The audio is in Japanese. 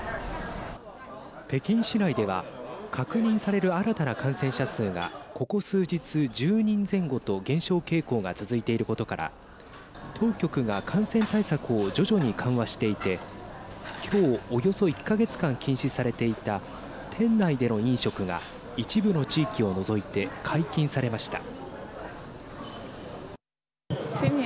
北京市内では確認される新たな感染者数がここ数日、１０人前後と減少傾向が続いていることから当局が感染対策を徐々に緩和していてきょうおよそ１か月間禁止されていた店内での飲食が一部の地域を除いて解禁されました。